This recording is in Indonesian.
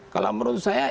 kalau menurut saya